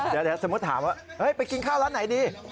เดี๋ยวสมมุติถามว่าไปกินข้าวร้านไหนดี